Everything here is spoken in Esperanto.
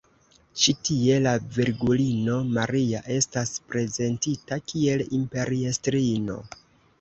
Ĉi tie la Virgulino Maria estas prezentita kiel imperiestrino.